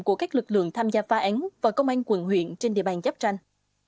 của các lực lượng tham gia phá án và công an quận huyện trên địa bàn giáp tranh